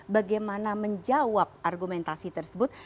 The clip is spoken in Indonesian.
bagaimana menjawab argumentasi tersebut